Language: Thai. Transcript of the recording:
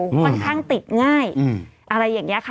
ค่อนข้างติดง่ายอะไรอย่างนี้ค่ะ